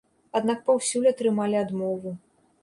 Аднак паўсюль атрымалі адмову.